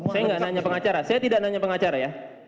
saya tidak nanya pengacara ya